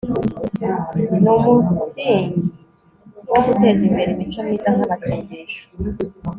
ni umusingi wo guteza imbere imico myiza nk'amasengesho